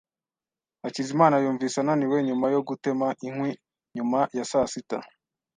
Hakizimana yumvise ananiwe nyuma yo gutema inkwi nyuma ya saa sita.